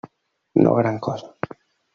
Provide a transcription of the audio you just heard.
No gran cosa.